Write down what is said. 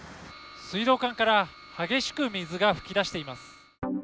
水道管から激しく水が噴き出しています。